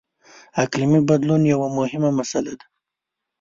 • اقلیمي بدلون یوه مهمه مسله ده.